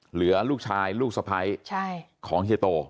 เหลือลูกชายลูกสะพ้ายของเฮียโต